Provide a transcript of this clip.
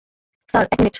Sir, এক minute.